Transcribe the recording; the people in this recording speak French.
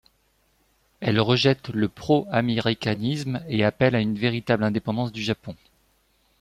Elle rejette le pro-américanisme et appelle à une véritable indépendance du Japon.